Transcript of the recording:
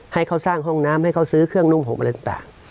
ให้เขาสร้างห้องน้ำให้เขาซื้อเครื่องนุ่งห่มอะไรต่าง